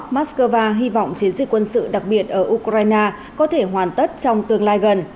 mắc cơ va hy vọng chiến dịch quân sự đặc biệt ở ukraine có thể hoàn tất trong tương lai gần